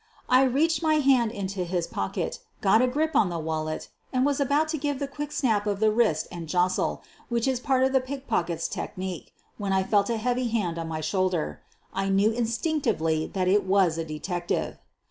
I reached my hand into his pocket, got a grip on 24G SOPHIE LYONS the wallet, and was about to give the quick snap of the wrist and jostle, which is part of the pickpocket's technique, when I felt a heavy hand on my shoulder. I knew instinctively that it was a detective.